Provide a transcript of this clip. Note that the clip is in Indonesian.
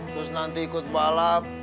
terus nanti ikut balap